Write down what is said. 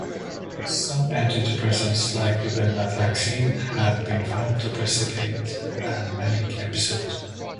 Some antidepressants, like venlafaxine, have been found to precipitate a manic episode.